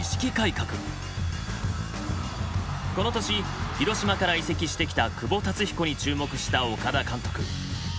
この年広島から移籍してきた久保竜彦に注目した岡田監督。